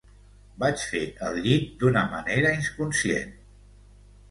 Vaig fer el llit d’una manera inconscient.